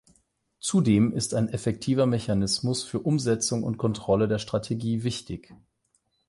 Zudem ist ein effektiver Mechanismus für Umsetzung und Kontrolle der Strategie wichtig.